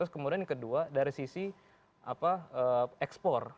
kemudian yang kedua dari sisi ekspor